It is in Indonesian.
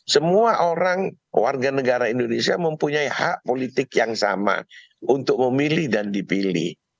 semua orang warga negara indonesia mempunyai hak politik yang sama untuk memilih dan dipilih